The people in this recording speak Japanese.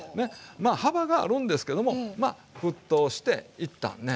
幅があるんですけどもまあ沸騰して一旦ね